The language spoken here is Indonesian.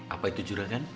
apa itu juragan